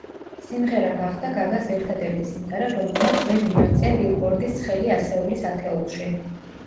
სიმღერა გახდა გაგას ერთადერთი სიმღერა, რომელმაც ვერ მიაღწია ბილბორდის ცხელი ასეულის ათეულში.